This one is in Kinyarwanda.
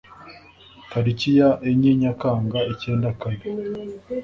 Tariki ya enye Nyakanga icyenda kane,